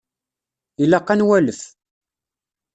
Ilaq ad nwalef.